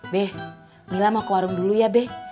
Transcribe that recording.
beh mila mau ke warung dulu ya be